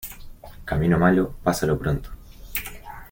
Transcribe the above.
Camino malo, pásalo pronto.